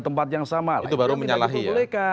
tempat yang sama itu baru menyalahi ya